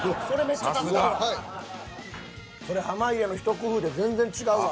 濱家のひと工夫で全然違うわ。